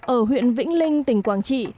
ở huyện vĩnh linh tỉnh quảng trị